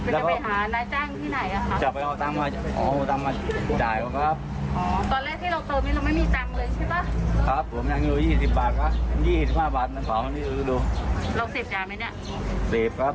เสพเมื่อไหนเนี่ยอืมไม่จากตอนยาวครับ